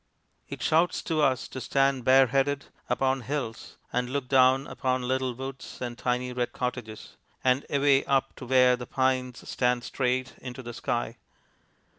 It shouts to us to stand bareheaded upon hills and look down upon little woods and tiny red cottages, and away up to where the pines stand straight into the sky.